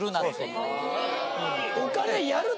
お金やると。